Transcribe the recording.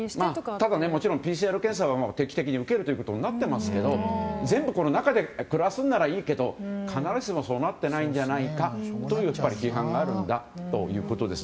ただ、もちろんＰＣＲ検査は定期的に受けるということになっていますけど全部この中で暮らすならいいけど必ずしも、そうなってないんじゃないかという批判があるんだということです。